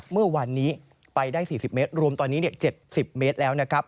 เมื่อวานนี้ไปได้๔๐เมตรรวมตอนนี้๗๐เมตรแล้วนะครับ